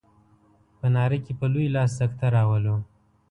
په ناره کې په لوی لاس سکته راولو.